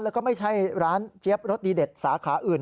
แล้วก็ไม่ใช่ร้านเจี๊ยบรสดีเด็ดสาขาอื่น